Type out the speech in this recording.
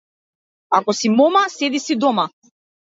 Ако си мома, седи си дома.